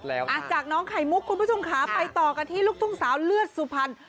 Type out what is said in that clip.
แล้วอ่ะจากน้องไข่มุกคุณผู้ชมค่ะไปต่อกันที่ลูกทุ่งสาวเลือดสุพรรณ